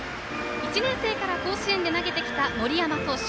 １年生から甲子園で投げてきた森山投手